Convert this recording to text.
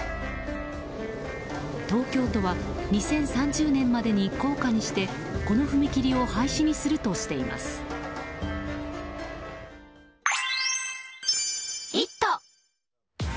東京都は２０３０年までに高架にしてこの踏切を廃止にするとしています。